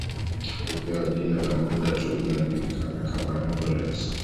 Hupewa jina la muda tu linajulikana kama embolet